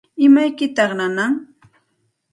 ¿Imaykitaq nanan?